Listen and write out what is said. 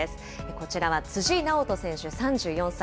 こちらは辻直人選手３４歳。